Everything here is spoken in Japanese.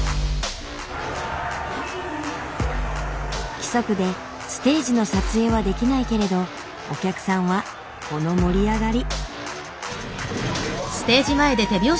規則でステージの撮影はできないけれどお客さんはこの盛り上がり。